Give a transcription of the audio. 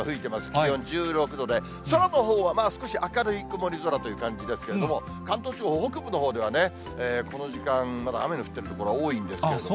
気温１６度で、空のほうはまだ少し明るい曇り空という感じですけれども、関東地方北部のほうでは、この時間、まだ雨の降ってる所が多いんですけれども。